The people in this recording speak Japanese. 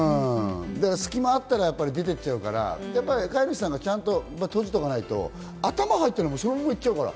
隙間があったら出て行っちゃうから飼い主さんがちゃんと閉じておかないと頭入ったら、そのまま行っちゃうから。